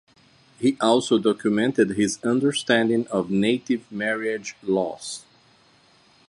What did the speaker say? He also documented his understanding of native marriage laws.